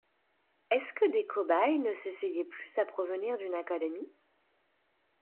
Est-ce que des cobayes ne s'essayaient plus à provenir d'une académie?